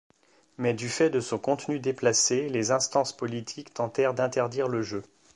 Mais du fait de son contenu déplacé, les instances politiques tentèrent d'interdire le jeu.